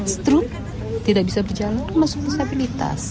seterusnya tidak bisa berjalan masuk disabilitas